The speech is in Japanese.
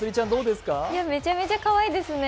めちゃめちゃかわいいですね。